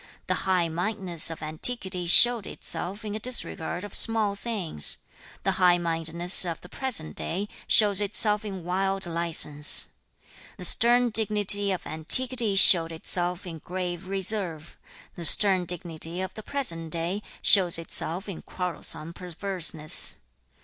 2. 'The high mindedness of antiquity showed itself in a disregard of small things; the high mindedness of the present day shows itself in wild license. The stern dignity of antiquity showed itself in grave reserve; the stern dignity of the present day shows itself in quarrelsome perverseness.